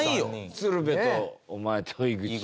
鶴瓶とお前と井口。